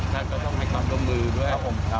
ท่านก็ต้องมีความร่วมมือด้วย